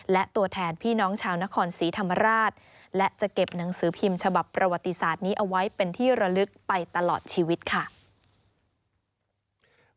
และตัวแทนพี่น้องชาวนครศรีธรรมราชและจะเก็บหนังสือพิมพ์ฉบับประวัติศาสตร์นี้เอาไว้เป็นที่ระลึกไปตลอดชีวิตค่ะ